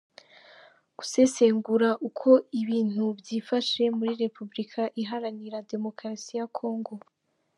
Gusesengura uko ibintu byifashe muri Repubulika iharanira Demokarasi ya Congo